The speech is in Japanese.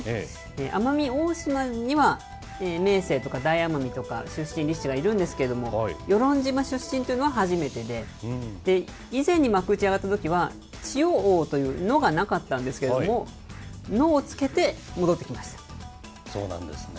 奄美大島には明生とか大奄美とか、出身力士がいるんですけれども、与論島出身というのは初めてで、以前に幕内に上がったときは、千代皇というノがなかったんですけれども、ノを付けて戻ってきまそうなんですね。